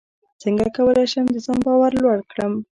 څنګه کولی شم د ځان باور لوړ کړم